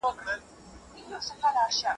د رایې ورکولو حق ښځو ته نه و ورکړل شوی.